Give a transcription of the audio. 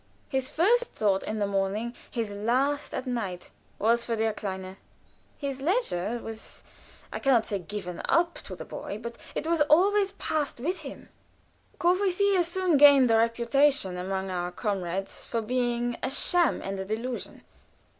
His first thought in the morning, his last at night, was for der Kleine. His leisure was I can not say "given up" to the boy but it was always passed with him. Courvoisier soon gained a reputation among our comrades for being a sham and a delusion.